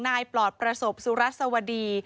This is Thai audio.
ปลอดประสบสุรัสวดี